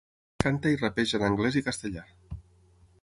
Canta i rapeja en anglès i castellà.